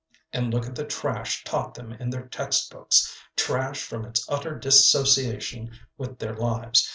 And look at the trash taught them in their text books trash from its utter dissociation with their lives.